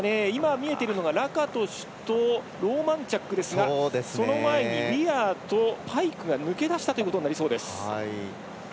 見えているのが、ラカトシュとローマンチャックですがその前にウィアーとパイクが抜け出したということになりそうです。